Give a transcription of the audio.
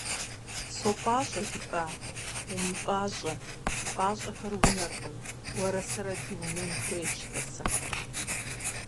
«СопӀащӀэ» жыпӀа? УмыпӀащӀэ. ПӀащӀэхэр унэркъым, уэрэ сэрэ дыунэн хуейщ, тӀасэ…